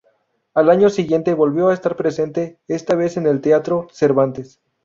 Al año siguiente volvió a estar presente, esta vez en el Teatro Cervantes.